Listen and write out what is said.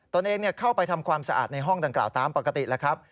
ตัวเองเข้าไปทำความสะอาดในห้องดังกล่าวตามปกติแล้วครับ